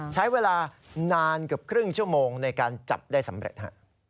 ใช้เวลานานเกือบครึ่งชั่วโมงในการจับได้สำเร็จ